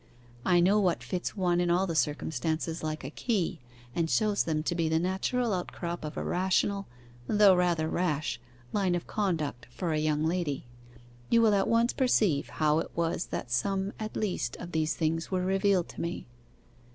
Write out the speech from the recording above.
I know what fits one and all the circumstances like a key, and shows them to be the natural outcrop of a rational (though rather rash) line of conduct for a young lady. You will at once perceive how it was that some at least of these things were revealed to me.